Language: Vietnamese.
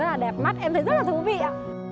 rất là đẹp mắt em thấy rất là thú vị ạ